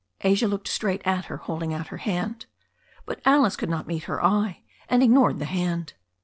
Asia looked straight at her, holding out her hand. But Alice could not meet her eye and ignored the hand.